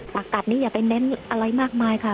ตัดนี้อย่าไปเน้นอะไรมากมายค่ะ